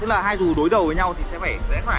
tức là hai dù đối đầu với nhau thì sẽ phải rẽ phải